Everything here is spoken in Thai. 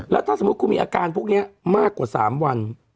แล้วถ้าสมมุติคุณมีอาการพวกนี้มากกว่า๓วัน